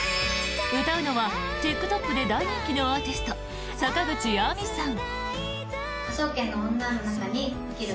歌うのはＴｉｋＴｏｋで大人気のアーティスト、坂口有望さん。